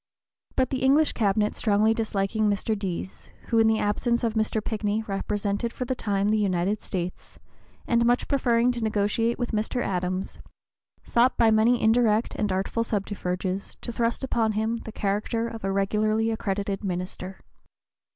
But the English Cabinet strongly disliking Mr. Deas, who in the absence of Mr. Pinckney represented for the time the United States, and much preferring to negotiate with Mr. Adams, sought by many indirect and artful subterfuges to thrust upon him the character of a regularly accredited minister.